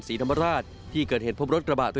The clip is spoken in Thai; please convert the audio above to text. ศีรษะแตกมีเลือดไหลอาบตัว